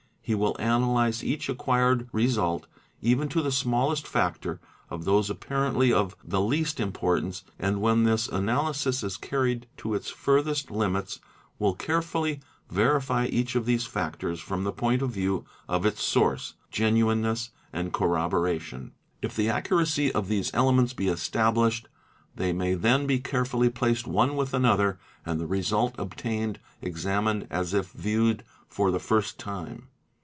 He will analyse each acquired result even to the smallest factor of those apparently of the least importance, and when this analysis is carried to its furthest limits, will carefully verify each of these factors from the point of view of its source, genuineness, and corroboration. If the accuracy of these elements be established, they may then be carefully placed one with nother and the result obtained examined as if viewed for the first time.